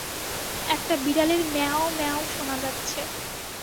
একটা বিড়ালের ম্যায়াও মর্য্যায়াও শোনা যাচ্ছে।